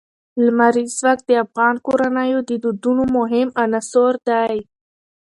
لمریز ځواک د افغان کورنیو د دودونو مهم عنصر دی.